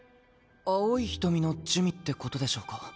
青い瞳の珠魅ってことでしょうか？